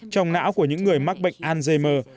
trong não của những người mắc bệnh alzheimer